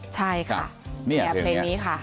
ใช่ค่ะนี่คือนี้ค่ะ